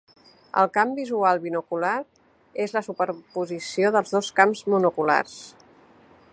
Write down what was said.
El camp visual binocular és la superposició dels dos camps monoculars.